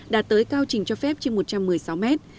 đã tới cao trình cho phép trên một trăm một mươi sáu mét